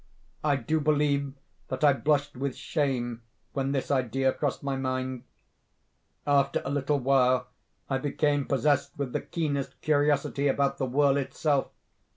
I do believe that I blushed with shame when this idea crossed my mind. After a little while I became possessed with the keenest curiosity about the whirl itself.